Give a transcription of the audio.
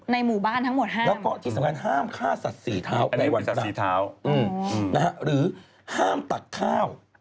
ในหมู่บ้านทั้งหมดห้ามห้ามฆ่าสัตว์สีเท้าในวันพระหรือห้ามตัดข้าว